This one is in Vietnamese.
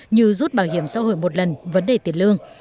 như rút bảo hiểm xã hội một lần vấn đề tiền lương